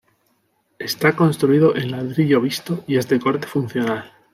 Está construido en ladrillo visto y es de corte funcional.